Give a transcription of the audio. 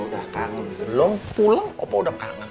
udah kangen belum pulang apa udah kangen